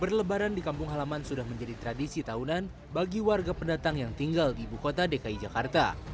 berlebaran di kampung halaman sudah menjadi tradisi tahunan bagi warga pendatang yang tinggal di ibu kota dki jakarta